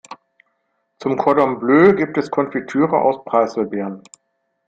Zum Cordon Bleu gibt es Konfitüre aus Preiselbeeren.